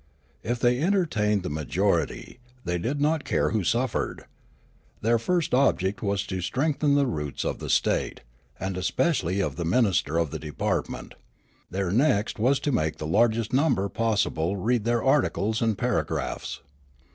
If they entertained the majority, they did not care who suffered. Their first object was to strengthen the roots of the state, and especially of the minister of the department ; their next was to make the largest number possible read their articles and paragraphs.